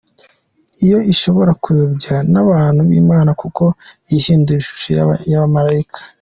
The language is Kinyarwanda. Iyo ishobora kuyobya n’abantu b’Imana kuko yihindura ishusho y’abamalayika.